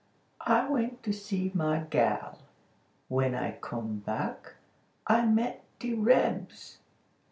I went to see my gal. When I cum back, I met de rebs.